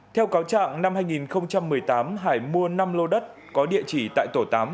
theo cáo trạng năm hai nghìn một mươi tám hải mua năm lô đất có địa chỉ tại tổ tám